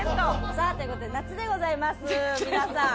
さあという事で夏でございます皆さん。